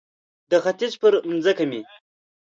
د ختیځ پر مځکه مې